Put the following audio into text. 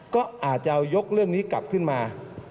ก็อาจจะยกเรื่องนี้กลับขึ้นมา